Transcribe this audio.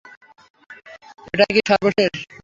এটাই কি সর্বশেষ?